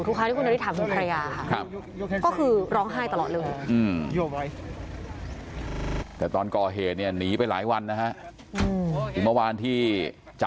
ทุกครั้งที่คุณนาริศถามว่า